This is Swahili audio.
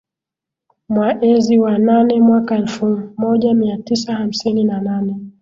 Mwaezi wa nane mwaka wa elfu moja mia tisa hamsini na nane